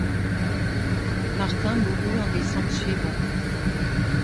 Martin mourut en décembre suivant.